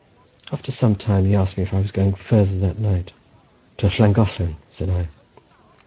After some time he asked me if I was going further that night. "To Llangollen," said I.